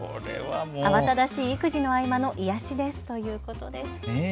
慌ただしい育児の合間の癒やしですということです。